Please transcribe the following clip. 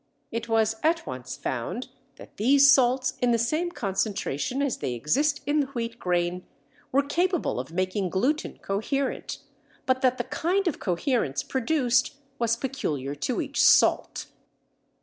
It was at once found that these salts in the same concentration as they exist in the wheat grain were capable of making gluten coherent, but that the kind of coherence produced was peculiar to each salt.